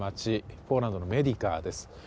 ポーランドのメディカです。